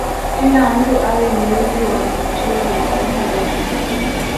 kila mtu awe mlinzi wa vivutio vya taifa letu